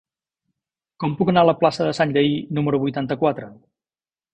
Com puc anar a la plaça de Sanllehy número vuitanta-quatre?